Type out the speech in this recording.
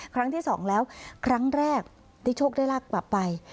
ครั้งที่สองแล้วครั้งแรกที่โชคได้ลาบกลับไป